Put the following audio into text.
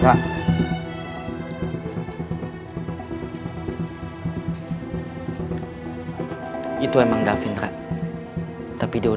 kau ngerti gak mengapa aku anat dap library